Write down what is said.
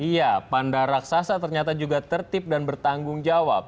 iya panda raksasa ternyata juga tertib dan bertanggung jawab